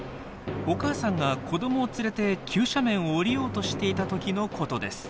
お母さんが子どもを連れて急斜面を下りようとしていた時のことです。